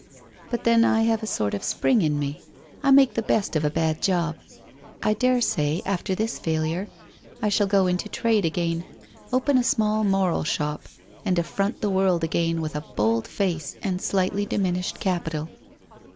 ' But then I have a sort of spring in me, I make the best of a bad job. I daresay after this failure, I shall go into trade again — open a small moral shop, and affront the world again with a bold face and slightly diminished capital.'